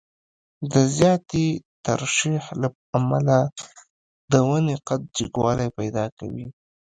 د زیاتې ترشح له امله د ونې قد جګوالی پیدا کوي.